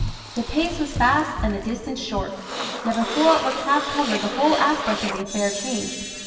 The pace was fast and the distance short. Yet before it was half covered the whole aspect of the affair changed.